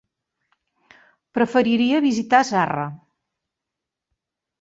Preferiria visitar Zarra.